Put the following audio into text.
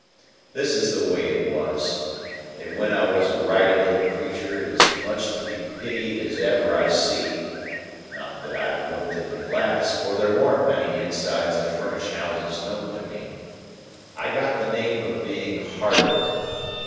"This is the way it was, that when I was a ragged little creetur as much to be pitied as ever I see (not that I looked in the glass, for there warn't many insides of furnished houses known to me), I got the name of being hardened.